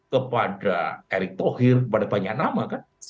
kepada erick thohir kepada banyak nama kan